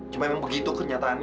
cuma emang begitu kenyataannya